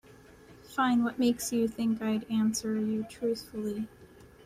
Fine, what makes you think I'd answer you truthfully?